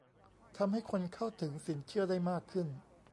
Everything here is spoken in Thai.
ทำให้คนเข้าถึงสินเชื่อได้มากขึ้น